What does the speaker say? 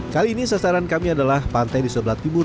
kali ini sasaran kami adalah pantai di sebelah timur